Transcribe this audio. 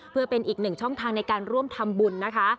เพื่อเป็นอีกหนึ่งช่องทางในการร่วมทำบุญนะคะ